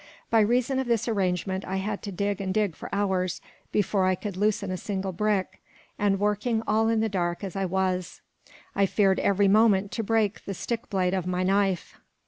By reason of this arrangement, I had to dig and dig for hours, before I could loosen a single brick; and working all in the dark as I was, I feared every moment to break the stick blade of my knife.